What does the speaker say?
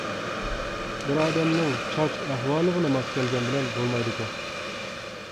بىر ئادەمنىڭ چاچ ئەھۋالىغىلا ماس كەلگەن بىلەن بولمايدىكەن.